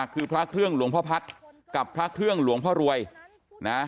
คือพระเครื่องหลวงพ่อพัฒน์กับพระเครื่องหลวงพ่อรวยนะ